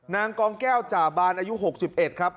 นางกองแก้วจ่าบานอายุ๖๑ครับ